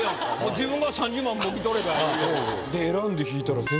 自分が３０万もぎ取れば。